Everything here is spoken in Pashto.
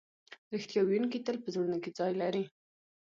رښتیا ویونکی تل په زړونو کې ځای لري.